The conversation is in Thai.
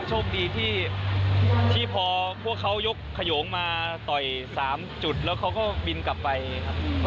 โชคดีที่พอพวกเขายกขยงมาต่อย๓จุดแล้วเขาก็บินกลับไปครับ